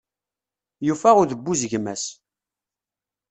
Yufa udebbuz gma-s.